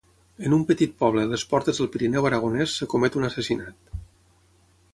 En un petit poble a les portes del Pirineu aragonès es comet un assassinat.